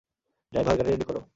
Driver, গাড়ি ready করো।